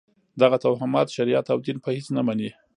دغه توهمات شریعت او دین په هېڅ نه مني.